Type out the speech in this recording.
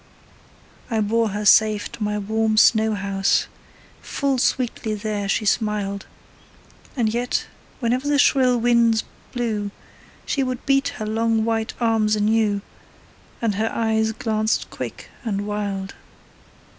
I bore her safe to my warm snow house; Full sweetly there she smiled; And yet, whenever the shrill winds blew, She would beat her long white arms anew, And her eyes glanced quick and wild.